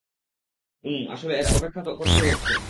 উম, আসলে, এর অপেক্ষা তো করতেই হচ্ছে।